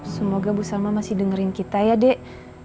semoga bu salma masih dengerin kita ya dek